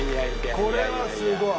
これはすごい。